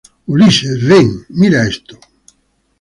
Ulises, ven. mira esto.